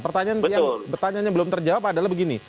pertanyaan yang belum terjawab adalah begini